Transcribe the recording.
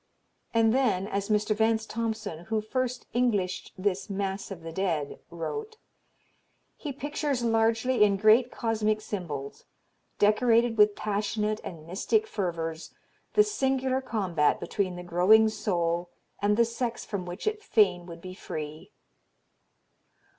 And then, as Mr. Vance Thompson, who first Englished this "Mass of the Dead" wrote: "He pictures largely in great cosmic symbols, decorated with passionate and mystic fervors, the singular combat between the growing soul and the sex from which it fain would be free."